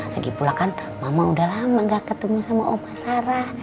lagipula kan mama udah lama gak ketemu sama oba sarah